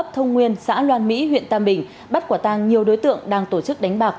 thông nguyên xã loan mỹ huyện tam bình bắt quả tang nhiều đối tượng đang tổ chức đánh bạc